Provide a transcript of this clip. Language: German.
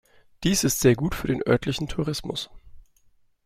Dies ist sehr gut für den örtlichen Tourismus.